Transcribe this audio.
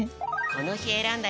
このひえらんだ